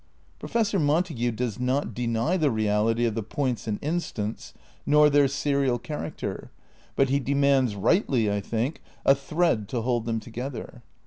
Professor Montague does not deny the reality of the points and instants nor their serial character, but he demands, rightly, I think, "a thread to hold them together."